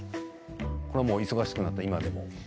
これはお忙しくなった今でも。